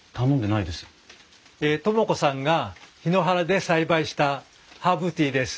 智子さんが檜原で栽培したハーブティーです。